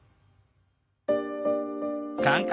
感覚